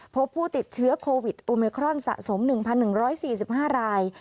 พบผู้ติดเชื้อโควิดโอมิครอนสะสม๑๑๔๕ราย